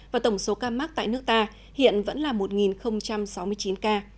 và tổng số ca mắc tại nước ta hiện vẫn là một sáu mươi chín ca